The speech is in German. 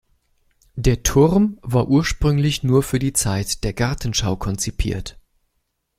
Der Turm war ursprünglich nur für die Zeit der Gartenschau konzipiert.